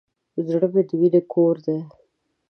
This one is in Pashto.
زړه د مینې کور دی.